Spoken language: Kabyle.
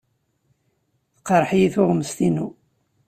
Teqreḥ-iyi tuɣmest-inu.